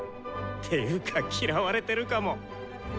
ていうか嫌われてるかも！